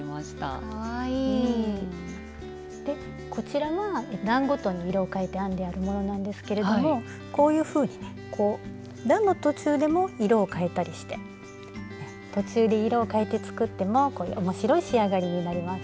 こちらは段ごとに色を変えて編んであるものなんですけれどもこういうふうにね段の途中でも色を変えたりして途中で色を変えて作っても面白い仕上がりになります。